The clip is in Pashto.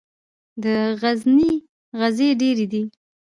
د غزني غزې ډیرې دي